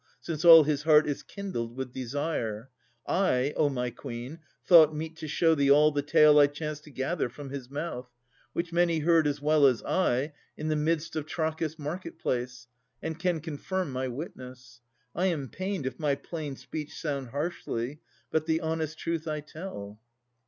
Since all his heart is kindled with desire. I, O my Queen! thought meet to show thee all The tale I chanced to gather from his mouth, Which many heard as well as I, i' the midst Of Trachis' market place, and can confirm My witness. I am pained if my plain speech Sound harshly, but the honest truth I tell.